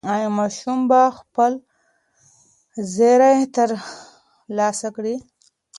ایا ماشوم به خپل زېری ترلاسه کړي؟